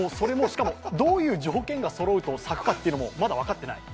しかもどういう条件がそろうと咲くかはまだ分かっていない。